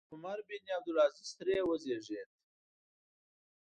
عمر بن عبدالعزیز ترې وزېږېد.